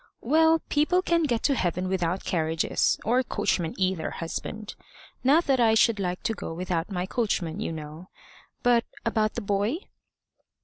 "Well, people can get to heaven without carriages or coachmen either, husband. Not that I should like to go without my coachman, you know. But about the boy?"